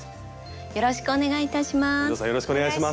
よろしくお願いします。